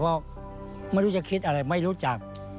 ก็ไม่รู้จะคิดอะไรไม่รู้จัก